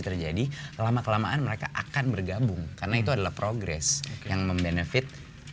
terjadi lama kelamaan mereka akan bergabung karena itu adalah progres yang membene